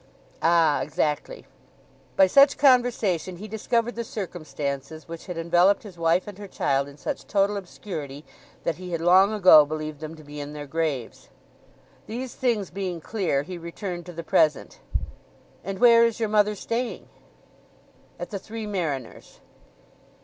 "Ah; exactly." By such conversation he discovered the circumstances which had enveloped his wife and her child in such total obscurity that he had long ago believed them to be in their graves. These things being clear, he returned to the present. "And where is your mother staying?" "At the Three Mariners."